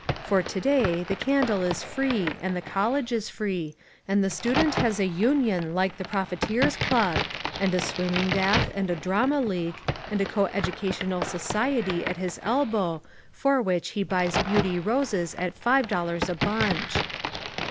For to day the candle is free and the college is free and the student has a "Union" like the profiteer's club and a swimming bath and a Drama League and a coeducational society at his elbow for which he buys Beauty Roses at five dollars a bunch.